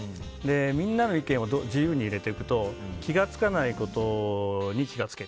みんなの意見を自由に入れていくと気が付かないことに気が付ける。